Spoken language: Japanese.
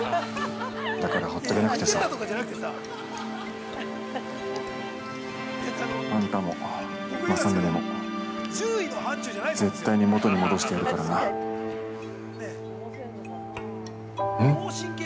だから、ほっとけなくてさあんたもまさむねも絶対に元に戻してやるからなん？